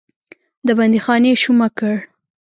د بندیخانې شومه کړ.